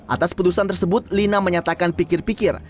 atas putusan tersebut lina menyatakan pikir pikir